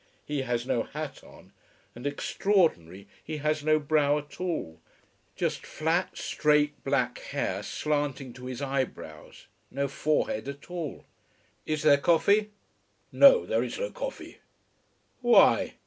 He has no hat on: and extraordinary, he has no brow at all: just flat, straight black hair slanting to his eyebrows, no forehead at all. Is there coffee? No, there is no coffee. Why?